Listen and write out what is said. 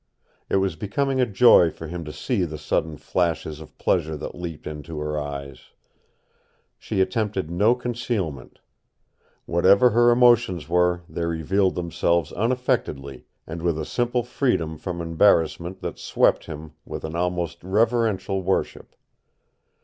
It was becoming a joy for him to see the sudden flashes of pleasure that leaped into her eyes. She attempted no concealment. Whatever her emotions were they revealed themselves unaffectedly and with a simple freedom from embarrassment that swept him with an almost reverential worship.